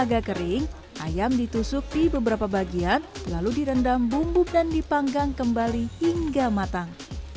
agak kering ayam ditusuk di beberapa bagian lalu direndam bumbu dan dipanggang kembali hingga matang